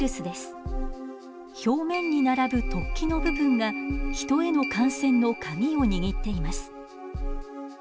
表面に並ぶ突起の部分がヒトへの感染のカギを握っています。